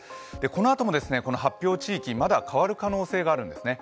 このあとも発表地域、まだ変わる可能性があるんですね。